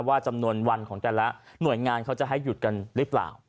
ว่าจำนวนวันของแต่ละหน่วยงานเขาจะให้หยุดกันหรือเปล่า